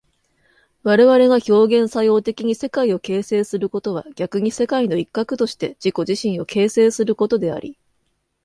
我々が表現作用的に世界を形成することは逆に世界の一角として自己自身を形成することであり、